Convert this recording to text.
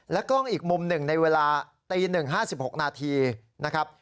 กล้องอีกมุมหนึ่งในเวลาตี๑๕๖นาทีนะครับ